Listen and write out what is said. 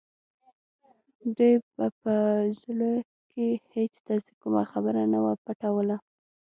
دوی به په زړه کې هېڅ داسې کومه خبره نه وه پټوله